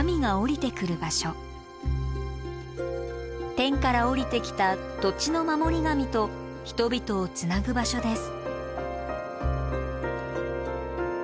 天から降りてきた土地の守り神と人々をつなぐ場所です。